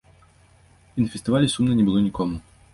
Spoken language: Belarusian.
І на фестывалі сумна не было нікому.